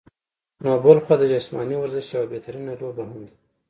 نو بلخوا د جسماني ورزش يوه بهترينه لوبه هم ده